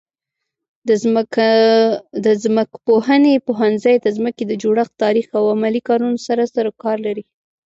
د ځمکپوهنې پوهنځی د ځمکې د جوړښت، تاریخ او عملي کارونو سره سروکار لري.